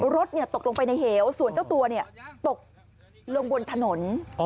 รถตกลงไปในเหวส่วนเจ้าตัวตกลงบนถนน